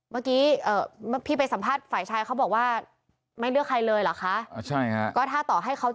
เมื่อกี้พี่ไปสัมภาษณ์ฝ่ายชายเขาบอกว่าไม่เลือกใครเลยเหรอคะ